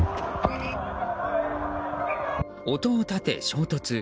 音を立て、衝突。